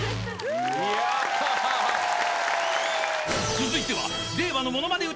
［続いては］